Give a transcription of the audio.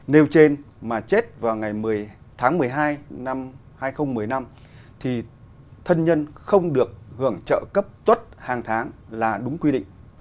nếu chồng bà thuộc trường hợp được hưởng chế độ trợ cấp hàng tháng theo quy định của nghị định số chín một nghìn chín trăm chín mươi tám